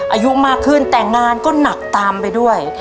อายุมากขึ้นแต่งานก็หนักตามไปด้วย